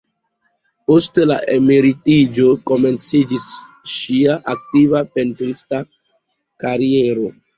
Post la emeritiĝo komenciĝis ŝia aktiva pentrista kariero.